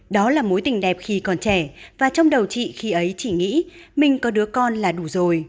đó là mối tình đẹp khi còn trẻ và trong đầu chị khi ấy chỉ nghĩ mình có đứa con là đủ rồi